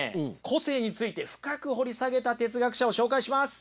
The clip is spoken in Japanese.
個性について深く掘り下げた哲学者を紹介します。